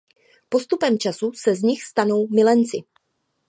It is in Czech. Postupem času se z nich stanou milenci.